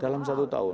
dalam satu tahun iya